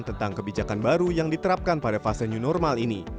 tentang kebijakan baru yang diterapkan pada fase new normal ini